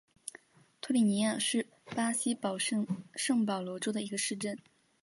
托里尼亚是巴西圣保罗州的一个市镇。